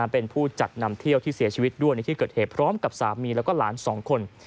เป็นผู้จัดนำเที่ยวที่เสียชีวิตด้วยในที่เกิดเหตุพร้อมกับสามีแล้วก็หลาน๒คน